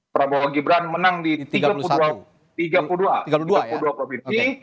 prabowo gibran menang di dua puluh dua provinsi